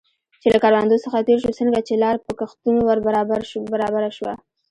چې له کروندو څخه تېر شو، څنګه چې لار په کښتونو ور برابره شوه.